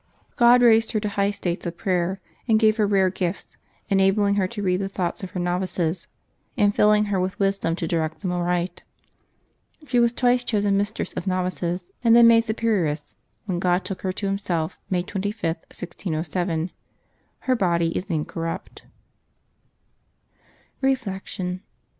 God raised her to high states of prayer, and gave her rare gifts, enabling her to read the thoughts of her novices, and filling her with wisdom to direct them aright. She was twice chosen mistress of novices, and then made superioress, when God took her to Himself, May 25, 1607. Her body is incorrupt. Reflection.